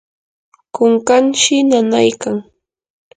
kunkanshi nanaykan.